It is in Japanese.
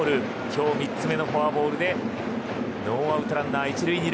今日３つ目のフォアボールでノーアウトランナー、１塁２塁。